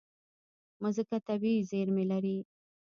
مځکه طبیعي زیرمې لري.